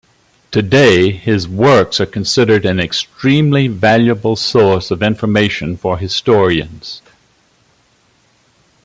Today his works are considered an extremely valuable source of information for historians.